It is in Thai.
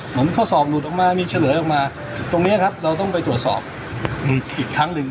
ผมข้อสอบหลุดออกมามีเฉลยออกมาตรงนี้ครับเราต้องไปตรวจสอบอีกครั้งหนึ่ง